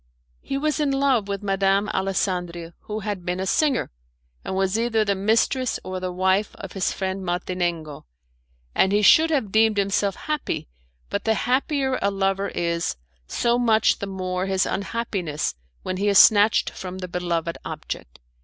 He was in love with Madame Alessandria, who had been a singer, and was either the mistress or the wife of his friend Martinengo; and he should have deemed himself happy, but the happier a lover is, so much the more his unhappiness when he is snatched from the beloved object.